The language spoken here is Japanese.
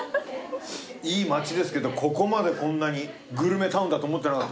いい街ですけどここまでこんなにグルメタウンだと思ってなかったです。